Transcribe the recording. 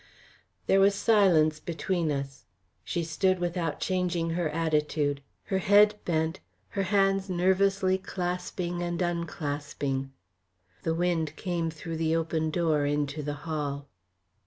There was silence between us. She stood without changing her attitude, her head bent, her hands nervously clasping and unclasping. The wind came through the open door into the hall.